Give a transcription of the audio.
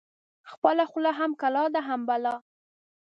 خپله خوله هم کلا ده هم بلا.